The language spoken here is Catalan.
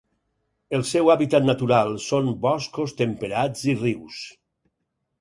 El seu hàbitat natural són boscos temperats i rius.